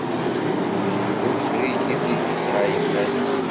D ufrik i t-id-tesɛa yemma s.